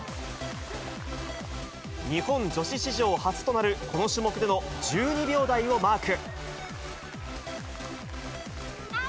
日本女子史上初となるこの種目での１２秒台をマーク。